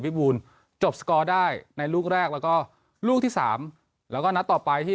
บูลจบสกอร์ได้ในลูกแรกแล้วก็ลูกที่สามแล้วก็นัดต่อไปที่